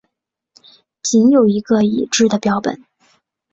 仅有一个已知的标本。